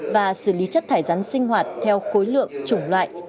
và xử lý chất thải rắn sinh hoạt theo khối lượng chủng loại